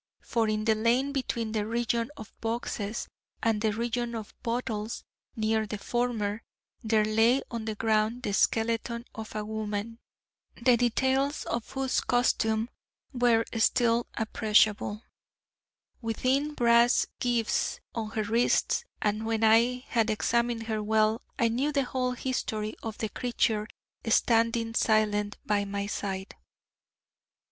For in the lane between the region of boxes and the region of bottles, near the former, there lay on the ground the skeleton of a woman, the details of whose costume were still appreciable, with thin brass gyves on her wrists: and when I had examined her well, I knew the whole history of the creature standing silent by my side.